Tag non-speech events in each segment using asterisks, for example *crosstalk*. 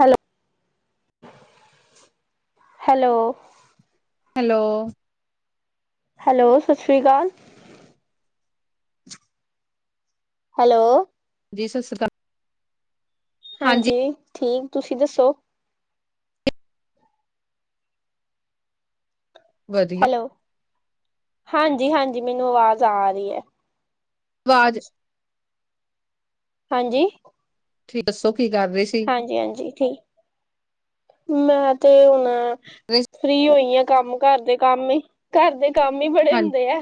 Hello hello. Hello. Hello, ਸਤਿ ਸ੍ਰੀ ਅਕਾਲ। ਹੈਲੋ। ਜੀ ਸਤਿ ਸ੍ਰੀ ਅਕਾਲ ਹਾਂਜੀ ਠੀਕ ਤੁਸੀਂ ਦੱਸੋ ਵਧੀਆ ਹੈਲੋ ਹਾਂਜੀ ਹਾਂਜੀ ਮੈਨੂੰ ਆਵਾਜ਼ ਆ ਰਹੀ ਹੈ। ਆਵਾਜ਼ ਹਾਂਜੀ ਠੀਕ ਦੱਸੋ ਕੀ ਕਰ ਰਹੇ ਸੀ। ਹਾਂਜੀ ਹਾਂਜੀ ਠੀਕ ਮੈਂ ਤੇ ਹੁਣ ਫਰੀ ਹੋਈ ਆ ਕੰਮ ਘਰ ਦੇ ਕੰਮ ਹੀ ਘਰ ਦੇ ਕੰਮ ਹੀ ਬੜੇ ਹਾਂ ਹੁੰਦੇ ਹੈ।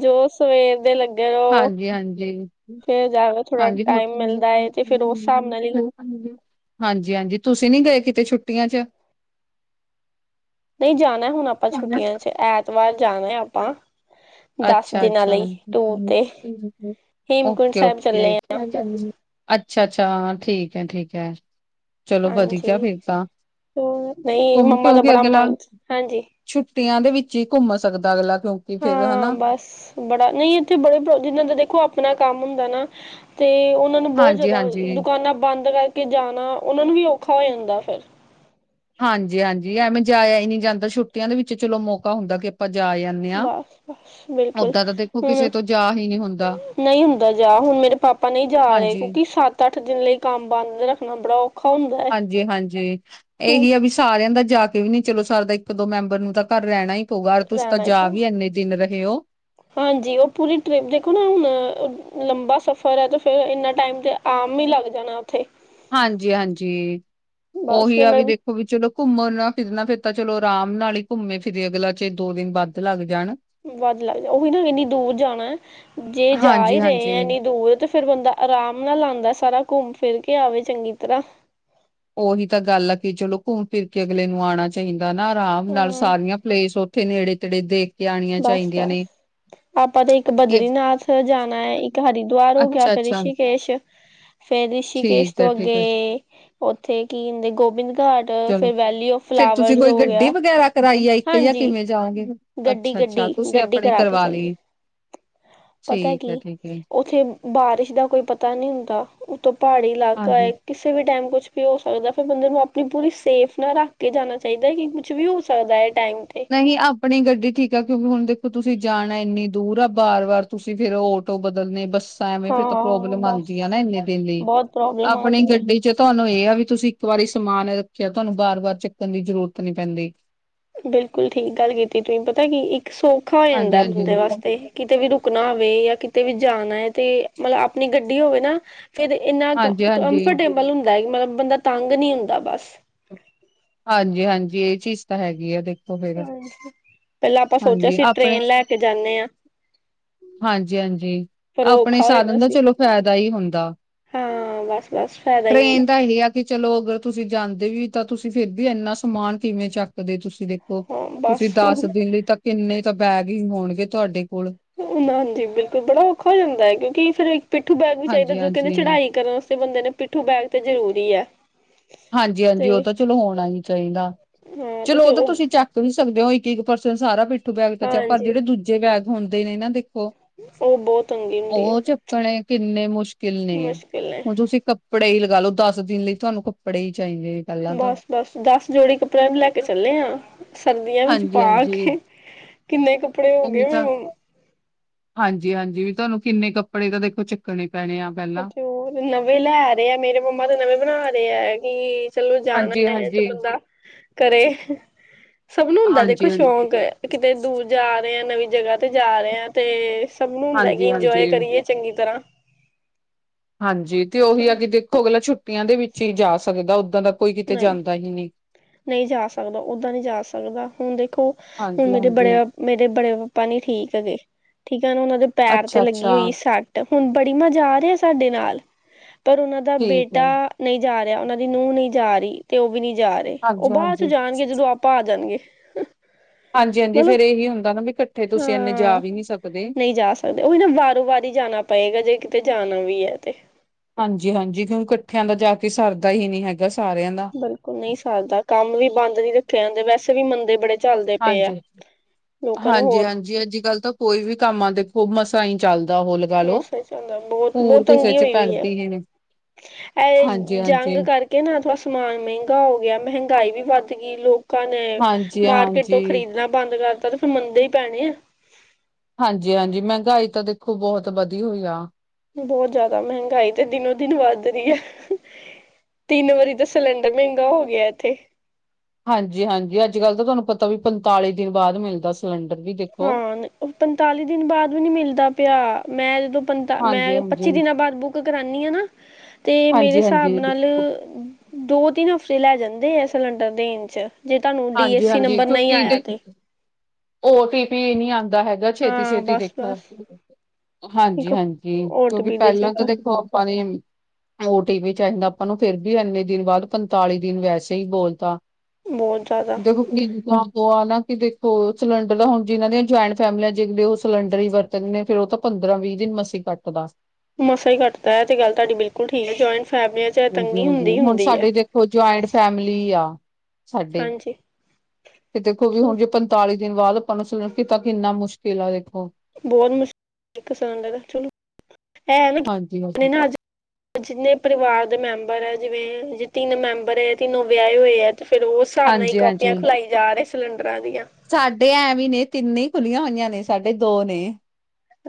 ਜੋ ਸਵੇਰ ਦੇ ਲੱਗੇ ਤੇ ਉਹ ਹਾਂਜੀ ਹਾਂਜੀ ਫਿਰ ਜਾ ਕੇ ਥੋੜਾ ਹਾਂਜੀ ਟਾਈਮ ਮਿਲਦਾ ਹੈ ਤੇ ਫਿਰ ਉਸ ਹਿਸਾਬ ਨਾਲ ਹੀ ਹਾਂਜੀ ਹਾਂਜੀ ਹਾਂਜੀ ਤੁਸੀਂ ਨੀ ਗਏ ਕਿਤੇ ਛੁੱਟੀਆਂ ਚ ਨਹੀਂ ਜਾਣਾ ਹੈ ਹੁਣ ਆਪਾਂ ਛੁੱਟੀਆਂ ਚੇ ਐਤਵਾਰ ਜਾਣਾ ਹੈ ਆਪਾਂ ਦਸ ਅੱਛਾ ਦਿਨਾਂ -ਅੱਛਾ ਲਈ ਟੂਰ ਤੇ ਹੇਮਕੁੰਟ ਓਕੇ ਸਾਹਿਬ ਓਕੇ ਚੱਲੇ ਆ ਅੱਛਾ -ਅੱਛਾ ਹਾਂ ਠੀਕ ਹੈ ਠੀਕ ਹੈ। ਚਲੋ ਵਧੀਆ ਹਾਂਜੀ ਫਿਰ ਤਾਂ ਹੂੰ ਨਹੀਂ ਘੁੰਮ ਮੰਮਾ ਕਿਉਂ ਦਾ ਕੇ ਬੜਾ ਅਗਲਾ ਮਨ ਹਾਂਜੀ ਛੁੱਟੀਆਂ ਦੇ ਵਿੱਚ ਹੀ ਘੁੰਮ ਸਕਦਾ ਅਗਲਾ ਕਿਉ ਹਾਂ ਬਸ ਬੜਾ ਨਹੀਂ ਇੱਥੇ ਬੜੇ ਜਿੰਹਨਾਂ ਦਾ ਦੇਖੋ ਆਪਣਾ ਕੰਮ ਹੁੰਦਾ ਨਾ ਤੇ ਉਹ ਉਹਨਾਂ ਨੂੰ ਬਹੁਤ ਹਾਂਜੀ ਜ਼ਾਆਦਾ ਹਾਂਜੀ ਦੁਕਾਨਾਂ ਬੰਦ ਕਰਕੇ ਜਾਣਾ ਉਹਨਾਂ ਨੂੰ ਵੀ ਔਖਾ ਹੋ ਜਾਂਦਾ ਫਿਰ ਹਾਂਜੀ ਹਾਂਜੀ ਐਵੇਂ ਜਾਇਆ ਹੀ ਨਹੀਂ ਜਾਂਦਾ ਛੁੱਟੀਆਂ ਦੇ ਵਿੱਚ ਚਲੋ ਮੋਕਾ ਹੁੰਦਾ ਕਿ ਆਪਾਂ ਜਾ ਆ ਨਾ ਬਸ ਬਸ ਬਿਲਕੁਲ ਉਦਾਂ ਤਾਂ ਦੇਖੋ ਕਿਸੇ ਹੁਣ ਤੋਂ ਜਾ ਹੀ ਨਹੀਂ ਹੁੰਦਾ ਨਹੀਂ ਹੁੰਦਾ ਜਾ ਹੁਣ ਮੇਰੇ ਪਾਪਾ ਨਹੀਂ ਜਾ ਰਹੇ ਹਾਂਜੀ, ਕਿਉਂਕਿ ਸੱਤ ਅੱਠ ਦਿਨ ਲਈ ਕੰਮ ਬੰਦ ਰੱਖਣਾ ਹੁੰਦਾ ਹੈ ਹਾਂਜੀ- ਹਾਂਜੀ ਹੁਣ ਇਹੀ ਆ ਵੀ ਸਾਰਿਆਂ ਦਾ ਜਾ ਕੇ ਵੀ ਨਹੀਂ ਚਲੋ ਸਾਰਦਾ ਇੱਕ ਦੋ ਮੈਂਬਰ ਨੂੰ ਤਾਂ ਘਰ ਰਹਿਣਾ ਹੀ ਯਾਰ ਤੁਸੀਂ ਤਾਂ ਰਹਿਣਾ ਹੀ ਜਾ ਪਊ ਵੀ ਇੰਨੇ ਦਿਨ ਰਹੇ ਹੋ ਹਾਂਜੀ ਉਹ ਪੂਰੀ ਟਰਿਪ ਦੇਖੋ ਨਾ ਹੁਣ ਲੰਬਾ ਸਫ਼ਰ ਹੈ ਤੇ ਫੇਰ ਇੰਨਾ ਟਾਈਮ 'ਤੇ ਆਮ ਹੀ ਲੱਗ ਜਾਣਾ ਉੱਥੇ ਹਾਂਜੀ- ਹਾਂਜੀ, ਬਸ ਉਹੀ ਫਿਰ ਆ ਵੀ ਮੈਂ ਦੇਖੋ ਵੀ ਚਲੋ ਘੁੰਮਣਾ ਫਿਰਨਾ ਫਿਰ ਤਾਂ ਚਲੋ ਆਰਾਮ ਨਾਲ ਹੀ ਘੁੰਮੇ ਫਿਰੇ ਅਗਲਾ 'ਚ ਦੋ ਦਿਨ ਵੱਧ ਲੱਗ ਜਾਣ ਵੱਧ ਲੱਗਦਾ, ਉਹੀ ਨਾ ਇੰਨੀ ਦੂਰ ਜਾਣਾ ਜੇ ਜਾ ਹੀ ਰਹੇ ਹੈ ਹਾਂਜੀ-ਹਾਂਜੀ। ਇੰਨੀ ਦੂਰ ਤੇ ਫਿਰ ਬੰਦਾ ਆਰਾਮ ਨਾਲ ਆਉਂਦਾ ਸਾਰਾ ਘੁੰਮ ਫਿਰ ਕੇ ਆਵੇ ਚੰਗੀ ਤਰ੍ਹਾਂ ਉਹੀ ਤਾਂ ਗੱਲ ਆ ਕਿ ਚਲੋ ਘੁੰਮ ਫਿਰ ਕੇ ਅਗਲੇ ਨੂੰ ਆਉਣਾ ਚਾਹੀਦਾ ਨਾ ਆਰਾਮ ਨਾਲ ਹਮ ਸਾਰੀਆਂ ਪਲੇਸ ਉੱਥੇ ਨੇੜੇ- ਤੇੜੇ ਦੇਖ ਕੇ ਆਉਣੀਆਂ ਬਸ ਚਾਹੀਦੀਆਂ ਬਸ ਨੇ ਆਪਾਂ ਤੇ ਇੱਕ ਕਿ ਬਦਰੀਨਾਥ ਜਾਣਾ ਹੈ ਇੱਕ ਹਰਿਦੁਆਰ ਜਾਂ ਅੱਛਾ ਫਿਰ ਅੱਛਾ ਰਿਸ਼ਕੇਸ਼ ਫੇਰ ਰਿਸ਼ੀਕੇਸ਼ ਠੀਕ ਹੈ ਤੋਂ ਠੀਕ ਹੈ ਅੱਗੇ, ਉੱਥੇ ਕੀ ਹੁੰਦੇ ਗੋਬਿੰਦ ਘਾਟ ਚਲੋ ਫਿਰ ਵੈਲੀ ਔਫ ਫਿਰ ਤੁਸੀਂ ਫਲਾਵਰਸ ਕੋਈ ਹੋ ਗੱਡੀ ਗਿਆ ਵਗੈਰਾ ਕਰਵਾਈ ਆਈ ਹਾਂਜੀ, ਗੱਡੀ- ਗੱਡੀ, ਤੁਸੀਂ ਗੱਡੀ ਆਪਣੇ ਕਰਾ ਕੇ ਕਰਵਾ ਚੱਲੇ ਲਈ ਪਤਾ ਠੀਕ ਹੈ ਕੀ ਠੀਕ ਹੈ ਉੱਥੇ ਬਾਰਿਸ਼ ਦਾ ਕੋਈ ਪਤਾ ਨਹੀਂ ਹੁੰਦਾ ਉੱਤੋ ਪਹਾੜੀ ਇਲਾਕਾ ਏ ਹਾਂਜੀ ਕਿਸੇ ਵੀ ਟਾਈਮ ਕੁਛ ਵੀ ਹੋ ਸਕਦਾ ਫੇਰ ਬੰਦੇ ਨੂੰ ਆਪਣੀ ਪੂਰੀ ਸੇਫਟੀ ਨਾਲ ਰੱਖ ਕੇ ਜਾਣਾ ਚਾਹੀਦਾ ਐ ਕਿ ਕੁਛ ਵੀ ਹੋ ਸਕਦਾ ਐ ਥੈਂਕਿਉ ਨਹੀਂ ਆਪਣੀ ਗੱਡੀ ਠੀਕ ਆ ਕਿਉਂਕਿ ਹੁਣ ਦੇਖੋ ਤੁਸੀਂ ਜਾਣਾ ਇੰਨੀ ਦੂਰ ਆ ਬਾਰ- ਬਾਰ ਤੁਸੀਂ ਫੇਰ ਉਹ ਤੋਂ ਬਦਲਣੇ ਬੱਸਾਂ ਐਵੇਂ ਹਾਂ ਫੇਰ ਤਾਂ ਪ੍ਰੋਬਲਮ ਬਸ ਆਂਉਦੀ ਆ ਨਾ ਇੰਨੇ ਦਿਨ ਲਈ, ਬਹੁਤ ਪ੍ਰੋਬਲਮ ਆਪਣੀ ਆਉਂਦੀ ਹੈ ਗੱਡੀ 'ਚ ਤੁਹਾਨੂੰ ਇਹ ਆ ਤੁਸੀਂ ਇੱਕ ਵਾਰ ਸਮਾਨ ਰੱਖਿਆ ਤੁਹਾਨੂੰ ਵਾਰ- ਵਾਰ ਚੱਕਣ ਦੀ ਜ਼ਰੂਰਤ ਨਹੀਂ ਪੈਂਦੀ ਬਿਲਕੁਲ ਠੀਕ ਗੱਲ ਕੀਤੀ ਤੁਸੀ ਪਤਾ ਕੀ ਇੱਕ ਸੌਖਾ ਹੋ ਜਾਂਦਾ ਹਾਂਜੀ-ਹਾਂਜੀ। ਬੰਦੇ ਵਾਸਤੇ ਕਿਤੇ ਵੀ ਰੁਕਣਾ ਹੋਵੇ ਆ ਕਿਤੇ ਵੀ ਜਾਣਾ ਆ ਤੇ ਮਤਲਬ ਆਪਣੀ ਗੱਡੀ ਹੋਵੇ ਨਾ ਫੇਰ ਇੰਨਾ ਹਾਂਜੀ-ਹਾਂਜੀ, ਕੰਮਫਰਟੇਬਲ ਹੁੰਦਾ ਮਤਲਬ ਬੰਦਾ ਤੰਗ ਨਹੀਂ ਹੁੰਦਾ ਬਸ ਹਾਂਜੀ- ਹਾਂਜੀ ਇਹ ਚੀਜ਼ ਤਾਂ ਹੈਗੀ ਆ ਦੇ ਪਹਿਲਾਂ ਆਪਾਂ ਸੋਚਿਆ ਸੀ ਆਪਣੇ ਟ੍ਰੇਨ ਲੈ ਕੇ ਜਾਂਦੇ ਹਾਂ ਹਾਂਜੀ -ਹਾਂਜੀ, ਪਰ ਉਹ ਆਪਣੇ ਔਖਾ ਹੋ ਜਾਣਾ ਸਾਧਨ ਦਾ ਸੀ ਚਲੋ ਫਾਇਦਾ ਹੀ ਹੁੰਦਾ ਹਾਂ, ਬਸ- ਬਸ ਫਾਇਦਾ ਹੀ ਹੁੰਦਾ ਟ੍ਰੇਨ ਦਾ ਇਹ ਆ ਕਿ ਚਲੋ ਅਗਰ ਤੁਸੀਂ ਜਾਂਦੇ ਵੀ ਤਾਂ ਤੁਸੀਂ ਫੇਰ ਵੀ ਇੰਨਾ ਸਮਾਨ ਕਿਵੇਂ ਚੱਕਦੇ ਤੁਸੀਂ ਦੇਖੋ ਉਹ, ਹਾਂ ਤੁਸੀਂ ਬਸ ਦਸ ਦਿਨ ਲਈ ਤਾਂ ਕਿੰਨੇ ਤਾਂ ਬੈਗ ਹੀ ਹੋਣਗੇ ਤੁਹਾਡੇ ਕੋਲ ਹਾਂਜੀ ਬਿਲਕੁਲ ਬੜਾ ਔਖਾ ਹੋ ਜਾਂਦਾ ਹੈ ਕਿਉਂਕਿ ਫਿਰ ਪਿੱਠੂ ਬੈਗ ਵੀ ਚਾਹੀਦਾ ਜੋ ਕਹਿੰਦੇ ਹਾਂਜੀ-ਹਾਂਜੀ। ਚੜਾਈ ਕਰਨ ਵਾਸਤੇ ਬੰਦੇ ਨੇ ਪਿੱਠੂ ਬੈਗ ਤੇ ਜ਼ਰੂਰੀ ਹੈ ਹਾਂਜੀ- ਹਾਂਜੀ ਤੇ ਉਹ ਤਾਂ ਚਲੋ ਹੋਣਾ ਹੀ ਚਾਹੀਦਾ, ਹਾਂ ਤੇ ਚਲੋ ਉਹ ਫਿਰ ਤਾਂ ਤੁਸੀਂ ਚੱਕ ਤੁਸੀਂ ਸਕਦੇ ਹੋ ਇੱਕ- ਇੱਕ ਪਰਸਨ ਸਾਰਾ ਪਿੱਠੂ ਬੈਗ ਤਾਂ ਪਰ ਹਾਂਜੀ ਜਿਹੜੇ ਦੂਜੇ ਬੈਗ ਹੁੰਦੇ ਨੇ ਦੇਖੋ ਉਹ ਬਹੁਤ ਤੰਗੀ ਹੁੰਦੀ ਹੈ ਉਹ ਚੱਕਣੇ ਕਿੰਨੇ ਮੁਸ਼ਕਿਲ ਨੇ ਮੁਸ਼ਕਿਲ ਹੈ ਹੁਣ ਤੁਸੀਂ ਕੱਪੜੇ ਹੀ ਲਗਾ ਲਓ, ਦਸ ਦਿਨ ਲਈ ਤੁਹਾਨੂੰ ਕੱਪੜੇ ਹੀ ਚਾਹੀਦੇ ਪਹਿਲਾਂ ਤਾਂ। ਬਸ -ਬਸ ਦਸ ਜੋੜੀ ਕੱਪੜਿਆਂ ਦੀ ਲੈ ਕੇ ਚੱਲੇ ਆਂ ਸਰਦੀਆਂ ਵਿੱਚ ਪਾ ਹਾਂਜੀ-ਹਾਂਜੀ ਕੇ ਕਿੰਨੇ ਕੱਪੜੇ ਹੋ ਗਏ ਮ ਹਾਂਜੀ- ਹਾਂਜੀ ਵੀ ਤੁਹਾਨੂੰ ਕਿੰਨੇ ਕੱਪੜੇ ਤਾਂ ਦੇਖੋ ਚੱਕਣੇ ਪੈਣੇ ਆ ਅ ਪਹਿਲਾਂ। ਤੇ ਉਹ ਨਵੇਂ ਲੈ ਰਹੇ ਆ ਮੇਰੇ ਮੰਮਾ ਤੇ ਨਵੇਂ ਬਣਾ ਰਹੇ ਹੈ ਕਿ ਚਲੋ ਜਾਣਾ ਹੈ ਤੇ ਹਾਂਜੀ-ਹਾਂਜੀ। ਬੰਦਾ ਕਰੇ ਸਭ ਨੂੰ ਹੁੰਦਾ ਦੇਖੋ ਹਾਂਜੀ-ਹਾਂਜੀ। ਸ਼ੌਂਕ, ਕਿਤੇ ਦੂਰ ਜਾ ਰਹੇ ਆ ਨਵੀਂ ਜਗ੍ਹਾ ਤੇ ਜਾ ਰਹੇ ਆ ਤੇ ਸਭ ਨੂੰ ਹੁੰਦਾ ਕਿ ਹਾਂਜੀ-ਹਾਂਜੀ। ਹਾਂਜੀ ਹਾਂਜੀ ਇੰਜੋਏ ਹਾਂਜੀ ਕਰੀਏ ਚੰਗੀ ਤਰ੍ਹਾਂ ਹਾਂਜੀ ਤੇ ਉਹੀ ਆ ਕਿ ਦੇਖੋ ਅਗਲਾ ਛੁੱਟੀਆਂ ਦੇ ਵਿੱਚ ਹੀ ਜਾ ਸਕਦਾ ਉੱਦਾਂ ਦਾ ਕੋਈ ਕਿਤੇ ਨਹੀਂ ਜਾਂਦਾ ਹੀ ਨਹੀਂ ਨਹੀਂ ਜਾ ਸਕਦਾ ਓਦਾਂ ਨਹੀਂ ਜਾ ਸਕਦਾ ਹੁਣ ਦੇਖੋ ਹੁਣ ਮੇਰੇ ਹਾਂਜੀ-ਹਾਂਜੀ ਬੜੇ ਮੇਰੇ ਬੜੇ ਪਾਪਾ ਨੀ ਠੀਕ ਹੈਗੇ, ਠੀਕ ਹੈ ਉਹਨਾਂ ਦੇ ਪੈਰ ਤੇ ਲੱਗੀ ਅੱਛਾ-ਅੱਛਾ ਹੋਈ ਸਟ ਹੁਣ ਬੜੀ ਮਾਂ ਜਾ ਰਹੇ ਹੈ ਸਾਡੇ ਨਾਲ, ਪਰ ਉਹਨਾਂ ਦਾ ਠੀਕ ਬੇਟਾ ਹੈ। ਨਹੀਂ ਜਾ ਰਿਹਾ ਉਹਨਾਂ ਦੀ ਨੂੰਹ ਨਹੀਂ ਜਾ ਰਹੀ ਤੇ ਉਹ ਵੀ ਨਹੀਂ ਜਾ ਰਹੇ ਉਹ ਹਾਂਜੀ ਬਾਅਦ ਚ ਹਾਂਜੀ ਜਾਣਗੇ ਜਦੋਂ ਆਪਾਂ ਆ ਜਾਣਗੇ। ਹਾਂਜੀ ਹਾਂਜੀ ਮਤਲਬ ਫੇਿਰ ਇਹੀ ਹੁੰਦਾ ਨਾ ਵੀ ਇਕੱਠੇ ਤੁਸੀਂ ਇੰਨੇ ਜਾ ਵੀ ਨਹੀਂ ਸਕਦੇ। ਦੇ ਉਹੀ ਨਾ ਵਾਰੋ ਵਾਰ ਹੀ ਜਾਣਾ ਪਏਗਾ ਜੇ ਕਿਤੇ ਜਾਣਾ ਵੀ ਹੈ ਤੇ ਹਾਂਜੀ ਹਾਂਜੀ ਕਿਉਂਕ ਇਕੱਠਿਆਂ ਦਾ ਜਾ ਕੇ ਸਰਦਾ ਹੀ ਨਹੀਂ ਹੈਗਾ ਸਾਰਿਆਂ ਦਾ ਬਿਲਕੁਲ ਨਹੀਂ ਸਰਦਾ ਕੰਮ ਵੀ ਬੰਦ ਨੀ ਰੱਖੇ ਜਾਂਦੇ ਵੈਸੇ ਵੀ ਮੰੰਦੇ ਬੜੇ ਚੱਲਦੇ ਪਏ ਆ ਹਾਂਜੀ ਹਾਂ ਲੋਕਾਂ ਨੂੰ ਹਾਂਜੀ ਹੋਰ ਹਾਂਜੀ ਅੱਜ ਕੱਲ੍ਹ ਤੋਂ ਕੋਈ ਵੀ ਕੰਮ ਆ ਦੇਖੋ ਮਸਾਂ ਹੀ ਚੱਲਦਾ ਹੋ। ਮਸਾ ਚੱਲਦਾ ਬਹੁਤ ਬਹੁਤ ਤੰਗੀ ਹੋਈ ਹੋਈ ਆ। ਪੈਂਦੀ ਹੀ ਨੀ ਅ ਐ ਹਾਂਜੀ ਜੰਗ ਹਾਂਜੀ ਕਰਕੇ। ਕਹ ਨਾਥੜਾ ਸਮਾਨ ਮਹਿੰਗਾ ਹੋ ਗਿਆ ਮਹਿੰਗਾਈ ਵੀ ਵੱਧ ਗੀ ਲੋਕ ਲੋਕਾਂ ਨੇ ਹਾਂਜੀ ਮਾਰਕੀਟ ਤੋਂ ਹਾਂਜੀ ਖਰੀਦਣਾ ਬੰਦ ਕਰਤਾ ਤੇ ਫਿਰ ਮੰਦੇ ਹੀ ਪੈਣੇ ਆ। ਹਾਂਜੀ ਹਾਂਜੀ ਮਹਿੰਗਾਈ ਤਾਂ ਦੇਖੋ ਬਹੁਤ ਬਧੀ ਹੋਈ ਆ। ਬਹੁਤ ਜ਼ਿਆਦਾ ਮਹਿੰਗਾਈ ਤੇ ਦਿਨੋ ਦਿਨ ਵੱਧ ਰੀ ਹੈ। ਤਿੰਨ ਵਾਰੀ ਤਾਂ ਸਿਲੰਡਰ ਮਹਿੰਗਾ ਹੋ ਗਿਆ ਇੱਥੇ। ਹਾਂਜੀ ਹਾਂਜੀ ਅੱਜ ਕੱਲ੍ਹ ਤਾਂ ਤੁਹਾਨੂੰ ਪਤਾ ਵੀ ਪੰਤਾਲੀ ਦਿਨ ਬਾਅਦ ਮਿਲਦਾ ਸਿਲੰਡਰ ਵੀ ਦੇਖੋ। ਹਾਂ ਉਹ ਪੰਤਾਲੀ ਦਿਨ ਬਾਅਦ ਵੀ ਨਿ ਮਿਲਦਾ ਪਿਆ ਮੈਂ ਜਦੋਂ ਪੰਤਅ ਹਾਂਜੀ ਮੈਂ ਹਾਂਜੀ ਪੱਚੀ ਦਿਨਾਂ ਬਾਅਦ ਬੁੱਕ ਕਰਾਨੀ ਆ ਨਾ ਤੇ ਮੇਰੇ ਹਾਂਜੀ ਹਿਸਾਬ ਹਾਂਜੀ ਨਾਲ ਦੋ ਤਿੰਨ ਹਫਤੇ ਲੈ ਜਾਂਦੇ ਆ ਸਿਲੰਡਰ ਦੇ ਣ ਚ ਜੇ ਤੁਹਾਨੂੰ ਡੀ ਐੱਸ ਸੀ ਨੰਬਰ ਨਹੀਂ ਆਇਆ ਤਾਂ ਉਹ ਤੇ ਵੀ ਨੀ ਆਉਂਦਾ ਹੈਗਾ ਛੇਤੀ ਹਾਂ ਛੇਤੀ ਬਸ ਦੇਖ ਬਸ ਹਾਂਜੀ ਇੱਕ ਹਾਂਜੀ ਓ ਟੀ ਕਿਉਂਕਿ ਪੀ ਦੇ ਪਹਿਲਾਂ ਤਾਂ ਚੱਕਰ ਦੇਖੋ ਆਪਾਂ ਨੇ ਓ ਟੀ ਵੀ ਚਾਹੀਦਾ ਆਪਾਂ ਨੂੰ ਫੇਿਰ ਵੀ ਇੰਨੇ ਦਿਨ ਬਾਅਦ ਪੰਤਾਲੀ ਦਿਨ ਵੈਸੇ ਹੀ ਬੋਲਤਾ ਬਹੁਤ *unintelligible* ਦੇਖੋ *unintelligible* ਆ ਨਾ ਕਿ ਦੇਖੋ ਸਿਲੰਡਰ ਹੁਣ ਜਿਨਾਂ ਦੀਆਂ ਜੁਆਇੰਟ ਫੈਮਿਲੀਆਂ ਜਿਲੇ ਉਹ ਸਿਲੰਡਰ ਹੀ ਵਰ ਤਿੰਨ ਨੇ ਫੇਿਰ ਉਹ ਤਾਂ ਪੰਦਰਾਂ ਵੀਹ ਦਿਨ ਮਸੀ ਕੱਟ ਦੱਸ ਮਸਾਂ ਹੀ ਕਟਦਾ ਹੈ ਤੇ ਗ ਲ ਤੁਹਾਡੀ ਬਿਲਕੁਲ ਠੀਕ ਹੈ ਜਆਇੰਟ ਫੈਮਲੀ ਹਾਂਜੀ ਹਾਂਜੀ ਹੁਣ ਸਾਡੇ ਦੇਖੋ ਜੁਆਇੰਟ ਫੈਮਿਲੀ ਆ ਸਾਡੇ ਹਾਂਜੀ ਤੇ ਦੇਖੋ ਵੀ ਚਲੋ ਹੁਣ ਜੇ ਪੰਤਾਲੀ ਦਿਨ ਬਾਅਦ ਆਪਾਂ ਨੂੰ ਸਲਾ ਕੀਤਾ ਕਿੰਨਾ ਮੁਸ਼ਕਿਲ ਆ ਦੇਖੋ। ਬਹੁਤ ਮੁਸ਼ਕਿਲ ਇੱਕ ਦਾ ਚਲੋ ਐਵੈ ਹਾਂਜੀ-ਹਾਂਜੀ, ਅੱਜ। ਜਿੰਨੇ ਪਰਿਵਾਰ ਦੇ ਮੈਂਬਰ ਹੈ ਜਿਵੇਂ ਜੇ ਤਿੰਨ ਮੈਂਬਰ ਹੈ ਤਿੰਨੋ ਵਿਆਹੇ ਹੋਏ ਹੈ ਤੇ ਫ਼ਿਰ ਉਸ। ਹਿਸਾਬ ਨਾ ਹੀ ਕਾਪੀਆਂ ਹਾਂਜੀ-ਹਾਂਜੀ। ਖੁਲਾਈ ਜਾ ਰਹੇ ਸਿਲੰਡਰਾਂ ਦੀਆਂ। ਸਾਡੇ ਐਵੇਂ ਨੇ ਤਿੰਨ ਹੀ ਖੁੱਲੀਆਂ ਹੋਈਆਂ ਨੇ ਸਾਡੇ ਦੋ ਨੇ।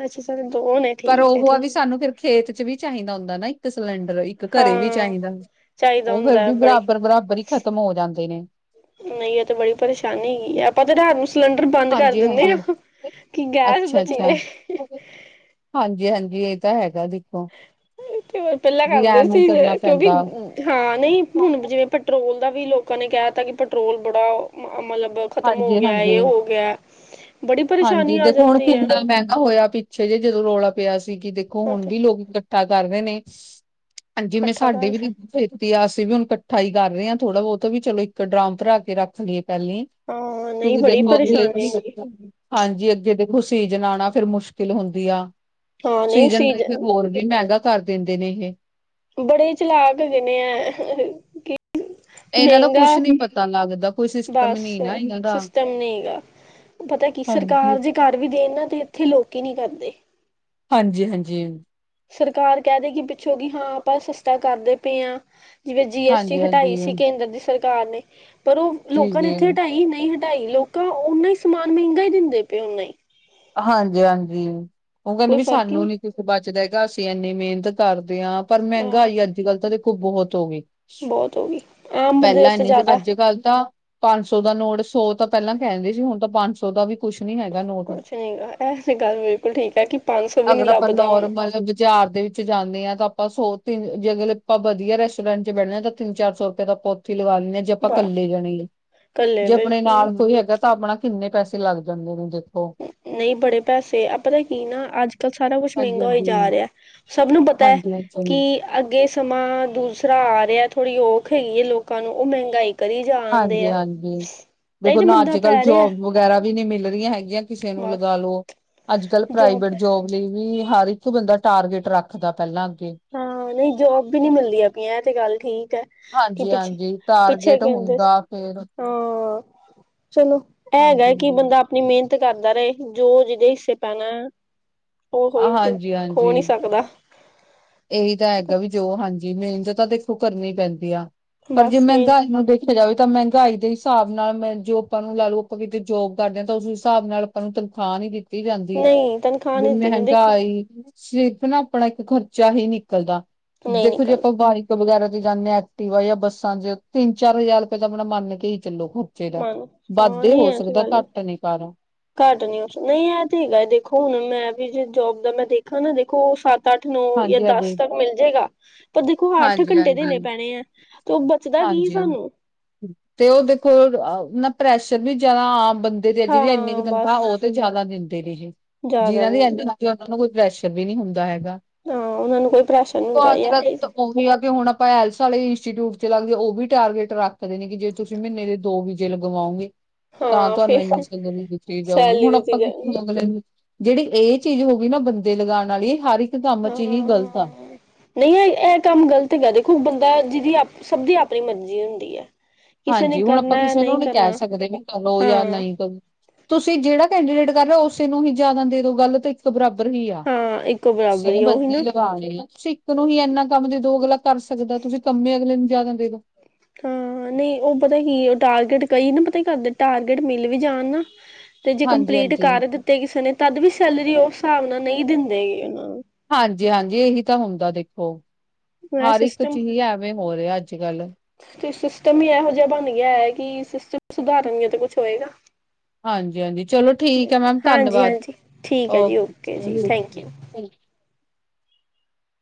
ਅੱਛਾ ਛ ਦੋਨ ਹੈ। ਪਰ ਉਹ ਆ ਵੀ ਠੀਕ ਹੈ। ਸਾਨੂੰ ਫਿਰ ਖੇਤ 'ਚ ਵੀ ਚਾਹੀਦਾ ਹੁੰਦਾ ਨਾ ਇੱਕ ਸਿਲੰਡਰ। ਰ ਇੱਕ ਘਰੇ ਵੀ ਹਾਂ ਚਾਹੀਦਾ ਚਾਹੀਦਾ ਉਹ ਹੁੰਦਾ ਫਿਰ ਹੈ ਵੀ ਬੜੀ ਬਰਾਬਰ-ਬਰਾਬਰ ਹੀ ਖ਼ਤਮ ਹੋ ਜਾਂਦੇ ਨੇ। ਨਹੀਂ ਇਹ ਤੇ ਬੜੀ ਪਰੇਸ਼ਾਨੀ ਹੀ ਹਾ ਆ ਆਪਾਂ ਤੇ ਡਰ ਨੂੰ ਸਿਲੰਡਰ ਬੰਦ ਕਰ ਦਿੰਨੇ ਹਾਂਜੀ-ਹਾਂਜੀ। ਆਾਂ ਕਿ ਗੈਸ ਬਚੀ ਰਹੇ। ਹਾਂਜੀ ਹਾਂਜੀ ਇਹ ਤਾਂ ਹੈਗਾ ਜੀ। ਤੇ ਹੋਰ ਪਹਿਲਾਂ ਕਰਦੇ ਐਵੇਂ ਸੀ ਕਰਨਾ ਕਿਉਂਕਿ ਪੈਂਦਾ। ਹਾਂ ਨਹੀਂ ਹੁਣ ਜਿਵੇਂ ਪਟ ਪੈਟਰੋਲ ਦਾ ਵੀ ਲੋਕਾਂ ਨੇ ਕਹਿ ਤਾ ਕਿ ਪੈਟਰੋਲ ਬੜਾ ਮ ਮਤਲਬ ਖ਼ਤਮ ਹੋ ਗਿਆ ਇਹ ਹਾਂਜੀ-ਹਾਂਜੀ ਹੋ ਗਿਆ ਬੜੀ ਹਾਂਜੀ ਪਰੇਸ਼ਾਨੀ ਆ ਦੇਖੋ ਹੁਣ ਜਾਂਦੀ ਹੈ ਕਿੰਨਾ ਮਹਿੰਗਾ ਹੋਇਆ ਪੀ ਛੇ ਜੇ ਜਦੋਂ ਰੌਲਾ ਪਿਆ ਸੀ ਕਿ ਦੇਖੋ ਉਹ ਹੁਣ ਤੇ ਵੀ ਲੋਕ ਇਕੱਠਾ ਕਰ ਰੇ ਨੇ ਹਾਂਜੀ ਜੀਵੈ ਇਕੱਠਾ ਸਾਡੇ ਕਰ ਵੀ ਨੇ ਫਿਰ ਅਸੀਂ ਵੀ ਹੁਣ ਇਕੱਠਾ ਹੀ ਕਰ ਰਹੇ ਹਾਂ ਥੋੜਾ ਬਹੁਤ ਆ ਵੀ ਚਲੋ ਇੱਕ ਡਰਮ ਭਰਾ ਕੇ ਰੱਖ ਲਈਏ ਪਹਿਲੀ ਹੀ ਹਾਂ ਨਹੀਂ ਕਿਉਂਕਿ ਬੜੀ ਦੇਖੋ ਅੱਗੇ ਪਰੇਸ਼ਾਨੀ ਹੁੰਦੀ ਹਾਂਜੀ ਅੱਗੇ ਦੇਖੋ ਸੀਜਨ ਆਉਣਾ ਫ਼ਿਰ ਮੁਸ਼ਕਿਲ ਹੁੰਦੀ ਆ। ਹਾਂ ਨਹੀਂ ਸੀਜਨ ਤਾਂ ਫਿਰ ਹੋਰ ਵੀ ਮਹਿੰਗਾ ਕਰ ਦਿੰਦੇ ਨੇ ਇਹੈ। ਬੜੇ ਚਲਾਕ ਦੇਣੇ ਹੈ ਹਾਂ ਕੀ ਇਹਨਾਂ ਦਾ ਕੁਛ ਮਹਿੰਗਾ ਨੀ ਪਤਾ ਲੱਗਦਾ ਕੋਈ ਸਿਸਟਮ ਹੀ ਬਸ ਨੀ ਨਾ ਇਹਨਾਂ ਦਾ ਸਿਸਟਮ ਨਹੀਂ ਗਾ। ਪਤਾ ਕੀ ਹਾਂਜੀ ਸਰਕਾਰ ਜੇ ਕਰ ਵੀ ਦੇਣ ਨਾ ਤੇ ਇੱਥੇ ਲੋਕ ਹੀ ਨਿ ਕਰਦੇ। ਹਾਂਜੀ ਹਾਂਜੀ। ਸਰਕਾਰ ਕੈਦੂਗੀ ਕਿ ਪਿੱਛੋਂ ਕਿ ਹਾਂ। ਆਪਾਂ ਸਸਤਾ ਕਰਦੇ ਪਏ ਹਾਂ। ਜਿਵੇਂ ਜੀ ਐਸ ਟੀ ਹਾਂਜੀ ਹਟਾਈ ਹਾਂਜੀ ਸੀ ਕੇਂਦਰ ਦੀ ਸਰਕਾਰ ਨੇ, ਪਰ ਉਹ ਜੀ ਲੋਕਾਂ ਨੇ ਇੱਥੇ ਜੀ ਹਟਾਈ ਨਹੀਂ ਹ। ਹਟਾਈ ਨੀ, ਲੋਕਾਂ ਉਨਾਂ ਹੀ ਸਮਾਨ ਮਹਿੰਗਾ ਹੀ ਦਿੰਦੇ ਪਏ ਉਣਾ ਹੀ। ਹਾਂਜੀ ਹਾਂਜੀ। ਉਹ ਕਹਿੰਦੇ ਕੋਈ ਵੀ ਫ਼ਰਕ ਹੀ ਸਾਨੂੰ ਨਹੀਂ ਨੀ ਕੁਝ ਬਚਦਾ ਹੈਗਾ। ਅਸੀਂ ਇੰਨੀ ਮਿਹਨਤ ਕਰਦੇ ਹਾਂ, ਪਰ ਹਾਂ ਮਹਿੰਗਾਈ ਅੱਜ ਕੱਲ ਤਾਂ ਦੇਖੋ ਬਹੁਤ ਹੋ ਗਈ। ਬਹੁਤ ਹੋ ਗਈ ਆਮ ਬੰਦੇ ਪਹਿਲਾਂ ਵਾਸਤੇ ਨੀ ਸੀ। ਜ਼ਿਆਦਾ ਅੱਜ ਕੱਲ ਤਾਂ ਪੰਜ ਸੌ ਦਾ ਨੋਟ ਸੌ ਤਾਂ ਪਹਿਲਾਂ ਕਹਿੰਦੇ ਸੀ। ਹੁਣ ਤਾਂ ਪੰਜ ਸੌ ਦਾ ਵੀ ਕੁਛ ਨੀ ਹੈਗਾ ਨੋਟ। ਠੀਕ ਹੈ, ਨਹੀਂ ਐਸੇ ਗੱਲ ਬਿਲਕੁਲ ਠੀਕ ਹੈ ਕੀ। ਅਗਰ ਆਪਾਂ ਨੋਰਮਲ ਚਾਰ ਦੇ ਵਿੱਚ ਜਾਂਨੇ ਆ, ਤਾਂ ਆਪਾਂ ਸੌ- ਤਿਨੰ ਜੇਕਰ ਆਪਾਂ ਵਧੀਆ ਰੈਸਟੋਰੈਂਟ 'ਚ ਬਹਿਨੇ ਆ, ਤਾਂ ਤਿੰਨ ਚਾਰ ਸੌ ਰੁਪਏ ਦਾ ਪ ਛਿਲੱ ਲਵਾ ਲੈਨੇ ਆ, ਜੇ ਆਪਾਂ ਵਾਹ ਇਕੱਲੇ ਈ ਰਹਿਣਾ ਈ। ਕੱਲੇ ਜੇ ਆਪਣੇ ਬਿਲਕੁਲ ਨਾਲ ਕੋਈ ਹੈਗਾ ਤਾਂ ਆਪਣਾ ਕਿੰਨੇ ਪੈਸੇ ਲੱਗ ਜਾਂਦੇ ਨੇ, ਦੇਖੋ। ਨਹੀਂ, ਬੜੇ ਪੈਸੇ। ਪਤਾ ਕੀ ਨਾ, ਅੱਜ ਕੱਲ ਸਾਰਾ ਕੁੱਛ ਹਾਂਜੀ ਮਹਿੰਗਾ ਹੋਈ ਹਾਂਜੀ ਜਾ ਰਿਹਾ। ਸਭ ਨੂੰ ਪਤਾ ਹੈ ਹਾਂਜੀ ਕਿ ਹਾਂਜੀ ਅੱਗੇ ਸਮਾਂ ਦੂਸਰਾ ਆ ਰਿਹਾ। ਥੋੜ੍ਹੀ ਔਖ ਹੈਗੀ ਹੈ ਲੋਕਾਂ ਨੂੰ, ਉਹ ਮਹਿੰਗਾਈ ਕਰੀ ਜਾਣਦੇ ਹਾਂਜੀ ਹੈ ਹਾਂਜੀ, ਤਾਂ ਇਹ ਦੇਖੋ ਤੇ ਨਾ, ਅੱਜ ਮੰਦਾ - ਕੱਲ ਪੈ ਰਿਹਾ ਜੋਬ ਵ ਵਗੈਰਾ ਵੀ ਨਹੀ ਮਿਲ ਰਹੀਆਂ ਹੈਗੀਆਂ। ਕਿਸੇ ਨੂੰ ਬਸ ਲਗਾ ਲੋ, ਅੱਜ ਕੱਲ੍ਹ ਪ੍ਰਾਈਵੇਟ ਜੋਬ ਲਈ ਵੀ ਹਰ ਇੱਕ ਬੰਦਾ ਟਾਰਗੇਟ ਰੱਖਦਾ ਪਹਿਲਾਂ ਅੱਗੇ। ਹਾਂ। ਨਹੀਂ ਜੋਬ ਵੀ ਨਿ ਮਿਲਦੀ ਪਾਇਆ, ਇਹ ਤੇ ਗੱਲ ਠੀਕ ਹੈ। ਕਿ ਹਾਂਜੀ ਪਿੱਛੇ ਹਾਂਜੀ। ਪਿੱਛੇ ਟਾਰਗੇਟ ਕਹਿੰਦੇ ਹੁੰਦਾ ਫੇਰ ਹਾਂ। ਅ ਚਲੋ ਹੈਗਾ ਕੀ ਹਾਂਜੀ-ਹਾਂਜੀ। ਬੰਦਾ ਆਪਣੀ ਮਿਹਨਤ ਕਰਦਾ ਰਹੇ, ਜੋ ਜਿਹਦੇ ਹਿੱਸੇ ਪੈਣਾ ਅ ਉ ਹੋਇਆ ਕੋ ਖੋ ਹਾਂਜੀ-ਹਾਂਜੀ ਨੀ ਸਕਦਾ। ਇਹੀ ਤਾਂ ਹੈਗਾ ਵੀ ਜੋ ਹਾਂਜੀ। ਮਿਹਨਤ ਤਾਂ ਦੇਖੋ ਕਰਨੀ ਪੈਂਦੀ ਆ, ਪਰ ਜੇ ਬਸ ਮਿਹਨਤ ਮਹਿੰਗਾਈ ਨੂੰ ਦੇਖੋ ਦੇਖਿਆ ਜਾਵੇ ਤਾਂ। ਮਹਿੰਗਾਈ ਦੇ ਹਿਸਾਬ ਨਾਲ ਮ ਜੋ ਆਪਾਂ ਨੂੰ ਲਾ ਲਓ। ਆਪਾਂ ਕਿਤੇ ਜੋਬ ਕਰਦੇ ਹਾਂ ਤਾਂ ਉਸ ਹਿਸਾਬ ਨਾਲ ਆਪਾਂ ਨੂੰ ਤਨਖਾਹ ਨੀ ਦਿੱਤੀ ਜਾਂਦੀ। ਨਹੀਂ ਤਨਖਾਹ ਜਿਵੇ ਨਹੀਂ ਦਿੱਤੀ ਜਾਂਦੀ ਮਹਿੰਗਾ ਦੇਖੋ ਆਈ ਸਿਰਫ ਨਾ, ਆਪਣਾ ਇੱਕ ਖਰਚਾ ਹੀ ਨਿਕਲਦਾ। ਨਹੀਂ ਦੇਖੋ ਜੇ ਆਪਾਂ ਨਿਕਲਦਾ ਵਾਈ ਤੋ ਵਗੈਰਾ ਤੇ ਜਾਨੇ ਆ, ਐਕਟਿਵਾ ਜਾਂ ਬੱਸਾਂ 'ਚ। ਤਿੰਨ- ਚਾਰ ਹਜ਼ਾਰ ਰੁਪਏ ਤਾਂ ਆਪਣਾ ਮੰਨ ਕੇ ਹੀ ਚੱਲੋ ਹੂੰ ਬੱਚੇਗਾ। ਮਨ ਦਾ ਵੱਧ ਹਾਂ ਨਹੀਂ ਹੋ ਇਹ ਤੇ ਸਕਦਾ ਏ ਗੱਲ ਘੱਟ ਨੀ ਪਾਣਾ। ਘੱਟ ਨੀ, ਨਹੀਂ ਇਹ ਤੇ ਹੈਗਾ ਏ। ਦੇਖੋ ਹੁਣ ਮੈਂ ਵੀ ਜੇ ਜੋਬ ਦਾ ਮੈਂ ਦੇਖਾ ਨਾ, ਦੇਖੋ ਉਹ ਸੱਤ ਅੱਠ, ਨੋ ਜਾਂ ਦਸ ਹਾਂਜੀ-ਹਾਂਜੀ। ਤੱਕ ਮਿਲ ਜੇਗਾ। ਪਰ ਦੇਖੋ, ਅੱਠ ਘੰਟੇ ਹਾਂਜੀ-ਹਾਂਜੀ, ਦੇਣੇ ਪੈਣੇ ਐ, ਤੁ ਹਾਂਜੀ, ਤੇ ਉਹ ਦੇਖੋ ਨਾ, ਪ੍ਰੈਸ਼ਰ ਵੀ ਜਿਆਦਾ। ਆਮ ਬੰ ਜਿਹਦੀ ਇੰਨੀ ਕੁ-ਇੰਨੀ ਕੁ ਹਾਂ ਬਸ ਤਨਖਾਹ, ਉਹ ਤੇ ਜ਼ਿਆਦਾ ਦਿੰਦੇ ਨੇ ਜੀ। ਜ਼ਿਆਦਾ ਜਿਨਾਂ ਦੀ ਐਨੀ ਤੇ ਉੱਥੇ ਉਨੂੰ ਕੋਈ ਪ੍ਰੈਸ਼ਰ ਵੀ ਨਹੀਂ ਹੁੰਦਾ ਹੈਗਾ। ਹਾਂ, ਉਹਨਾਂ ਨੂੰ ਕੋਈ ਪ੍ਰੈਸ਼ਨਰ ਨਹੀਂ ਹੁੰਦਾ ਹੈਗਾ ਏ। ਹੁਣ ਵੀ ਆ ਕਿ ਹੁਣ ਆਪਾਂ, ਹੈਲਥ ਵਾਲੇ ਇੰਸਟੀਟਿਊਟ ਤੇ ਲੱਗਦੇ ਉਹ ਵੀ ਟਾਰਗੇਟ ਰੱਖਦੇ ਨੇ, ਕਿ ਜੇ ਤੁਸੀਂ ਮਹੀਨੇ ਦੇ ਦੋ ਵੀਜੇ ਲਗਵਾਓਗੇ। ਤਾਂ ਹਾਂ ਤੁਹਾਨੂੰ ਫਿਰ ਇੰਨਾ ਸੈਲਰੀ ਦਿੱਤੀ ਜਾਊਗੀ। ਸੈਲਰੀ ਹੁਣ ਦਿੱਤੀ ਆਪਾਂ ਕਿੱਥ ਜਾਏਗੀ ਅਗਲੇ ਨੂੰ ਜਿਹੜੀ ਇਹ ਚੀਜ਼ ਹੋ ਗਈ ਨਾ, ਬੰਦੇ ਲਗਾਉਣ ਵਾਲੀ, ਹਰ ਇੱਕ ਕੰਮ 'ਚ ਹੀ ਗ਼ਲਤ ਆ। ਹਾਂ ਨਹੀਂ, ਨਹੀਂ, ਇਹ ਕੰਮ ਗ਼ਲਤ ਹੈਗਾ। ਦੇਖੋ, ਬੰਦਾ ਜਿਹਦੀ ਸਭ ਦੀ ਆਪਣੀ ਮਰਜ਼ੀ ਹੁੰਦੀ ਹੈ। ਕਿਸੇ ਨੇ ਹਾਂਜੀ, ਹੁਣ ਆਪਾਂ ਕਰਨਾ ਹੈ ਕਿਸੇ ਨੂੰ ਨਹੀਂ ਕਹਿ ਕਰਨਾ ਸਕਦੇ, ਵੀ ਕਰੋ ਜਾਂ ਹਾਂ ਨਹੀਂ ਕ ਤੁਸੀਂ ਜਿਹੜਾ ਕੈਂਡੀਡੇਟ ਕਰ ਰਹੇ ਹੋ, ਉਸੇ ਨੂੰ ਹੀ ਜ਼ਿਆਦਾ ਦੇ ਦੋ। ਗਲ ਤੇ ਇਕ ਬਰਾਬਰ ਹੀ ਐ। ਹਾਂ ਇੱਕੋ ਬਰਾਬਰ ਸੇਮ ਹੀ ਉਹੀ ਬੰਦੇ ਨਾ ਲ ਕਾਲ ਏ। ਤੁਸੀ ਇੱਕ ਨੂੰ ਹੀ ਇੰਨਾ ਕੰਮ ਦੇ ਦੋ ਅਗਲਾ ਕਰ ਸਕਦਾ, ਤੁਸੀਂ ਕੰਮੇ ਅਗਲੇ ਨੂੰ ਜ਼ਿਆਦਾ ਦੇ ਦੋ। *unintelligible* ਹੂੰ ਨਹੀਂ। ਉਹ ਪਤਾ ਕੀ ਏ, ਟਾਰਗੇਟ ਕਈ ਨਾ ਪਤਾ ਕਰਦੇ। ਟਾਰਗੇਟ ਮਿਲ ਵੀ ਜਾਣ ਨਾ ਤੇ ਜੇ ਕੰਪਲੀਟ ਹਾਂਜੀ-ਹਾਂਜੀ, ਕਰ ਦਿੱਤੇ ਕਿਸੇ ਨੇ, ਤਦ ਵੀ ਸੈਲਰੀ ਉਸ ਹਿਸਾਬ ਨਾਲ ਨਹੀਂ ਦਿੰਦੇ ਉਹਨਾਂ ਨੂੰ। ਹਾਂ ਜੀ, ਹਾਂ ਜੀ। ਇਹੀ ਤਾਂ ਹੁੰਦਾ ਦੇਖੋ, ਨੂੰ ਹਰ ਇੱਕ ਸਿਸਟਮ ਚੀਜ਼ ਐਵੇਂ ਹੋ ਰਿਹਾ ਅੱਜ- ਕੱਲ। ਤੇ ਸਿਸਟਮ ਹੀ ਐਹੋ ਜਿਹਾ ਬਣ ਗਿਆ ਏ। ਕਿ ਸਿਸਟਮ ਸੁਧਾਰੋ 'ਤੇ ਕੁਛ ਹੋਏਗਾ। ਹਾਂਜੀ-ਹਾਂਜੀ, ਚਲੋ ਠੀਕ ਐ ਮੈਮ ਹਾਂਜੀ ਧੰਨਵਾਦ, ਹਾਂਜੀ ਠੀਕ ਹੈ ਜੀ ਜੀ ਥੈਂਕ ਓਕੇ। ਯੂ